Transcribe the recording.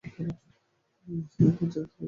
তাকে তো যেতে দাও।